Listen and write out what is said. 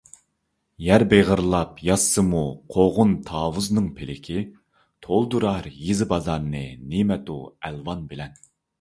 يەر بېغىرلاپ ياتسىمۇ قوغۇن - تاۋۇزنىڭ پىلىكى، تولدۇرار يېزا - بازارنى نىمەتۇ - ئەلۋان بىلەن.